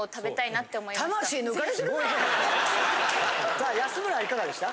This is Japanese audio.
さあ安村いかがでした？